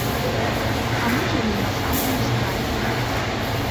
А мы жылі на самым ускрайку.